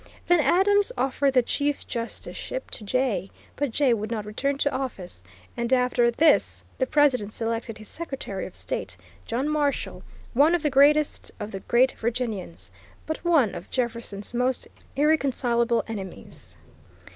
Then Adams offered the Chief Justiceship to Jay, but Jay would not return to office, and after this the President selected his Secretary of State, John Marshall, one of the greatest of the great Virginians, but one of Jefferson's most irreconcilable enemies.